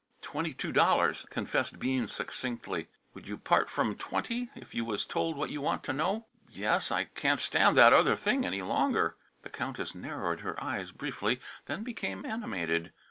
"Twenty two dollars," confessed Bean succinctly. "Would you part from twenty, if you was told what you want to know?" "Yes; I can't stand that other thing any longer." The Countess narrowed her eyes briefly, then became animated.